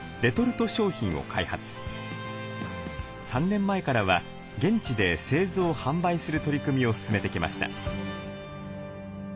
３年前からは現地で製造販売する取り組みを進めてきました。